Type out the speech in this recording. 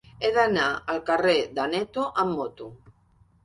He d'anar al carrer d'Aneto amb moto.